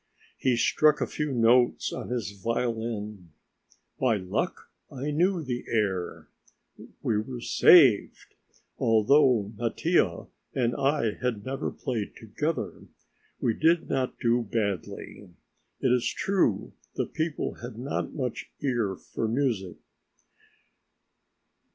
He struck a few notes on his violin. By luck I knew the air. We were saved. Although Mattia and I had never played together, we did not do badly. It is true the people had not much ear for music.